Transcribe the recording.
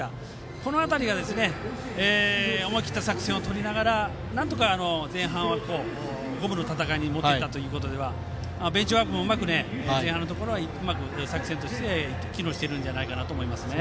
この辺りが思い切った作戦を取りながらなんとか前半、五分の戦いに持って行ったということではベンチワークもうまく前半は作戦として機能しているんじゃないかなと思います。